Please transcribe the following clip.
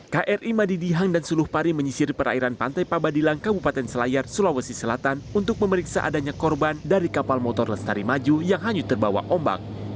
kri madidihang dan suluh pari menyisir perairan pantai pabadilang kabupaten selayar sulawesi selatan untuk memeriksa adanya korban dari kapal motor lestari maju yang hanyut terbawa ombak